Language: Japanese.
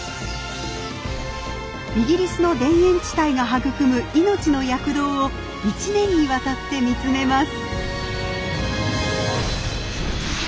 イギリスの田園地帯が育む命の躍動を一年にわたって見つめます。